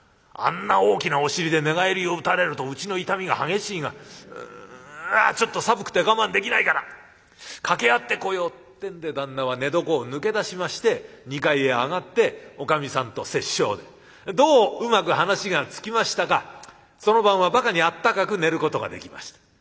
あんな大きなお尻で寝返りを打たれるとうちの傷みが激しいがうんちょっと寒くて我慢できないから掛け合ってこよう」ってんで旦那は寝床を抜け出しまして２階へ上がっておかみさんと折衝でどううまく話がつきましたかその晩はばかにあったかく寝ることができました。